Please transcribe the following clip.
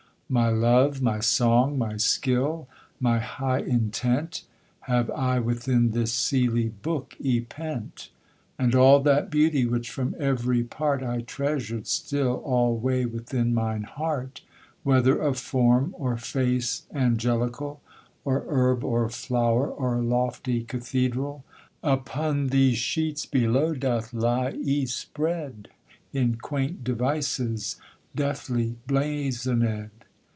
My love, my song, my skill, my high intent, Have I within this seely book y pent: And all that beauty which from every part I treasured still alway within mine heart, Whether of form or face angelical, Or herb or flower, or lofty cathedral, Upon these sheets below doth lie y spred, In quaint devices deftly blazoned.